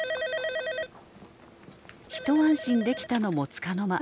☎一安心できたのもつかの間。